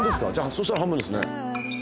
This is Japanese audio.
そしたら半分ですね